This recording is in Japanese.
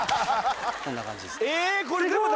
こんな感じです。